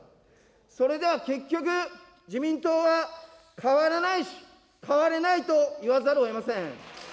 それでは結局、自民党は変わらないし、変われないと言わざるをえません。